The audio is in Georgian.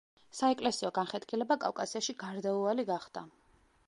საეკლესიო განხეთქილება კავკასიაში გარდაუვალი გახდა.